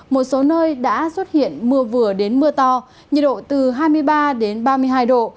một số nơi đã xuất hiện mưa vừa đến mưa to nhiệt độ từ hai mươi ba đến ba mươi hai độ